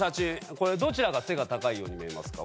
これどちらが背が高いように見えますか？